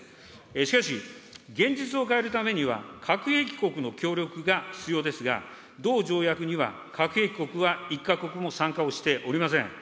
しかし、現実を変えるためには、核兵器国の協力が必要ですが、同条約には、核兵器国は一か国も参加をしておりません。